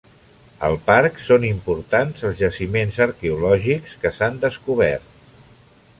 Al parc són importants els jaciments arqueològics que s'han descobert.